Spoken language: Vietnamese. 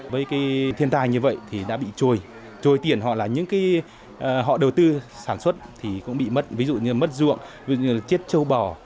với cái thiên tài như vậy thì đã bị trôi trôi tiền họ là những cái họ đầu tư sản xuất thì cũng bị mất ví dụ như mất ruộng ví dụ như là chết châu bò